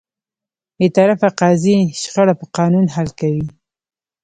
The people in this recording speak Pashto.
بېطرفه قاضي شخړه په قانون حل کوي.